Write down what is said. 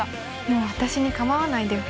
もう私にかまわないでよ